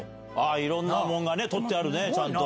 いろんなものが取ってあるね、ちゃんと。